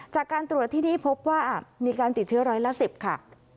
จากการตรวจที่นี่พบว่ามีการติดเชื้อร้อยละ๑๐ค่ะ